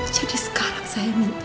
jadi sekarang saya minta